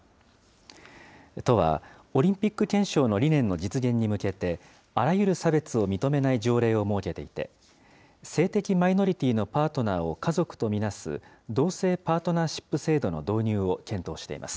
都はオリンピック憲章の理念の実現に向けて、あらゆる差別を認めない条例を設けていて、性的マイノリティーのパートナーを家族と見なす同性パートナーシップ制度の導入を検討しています。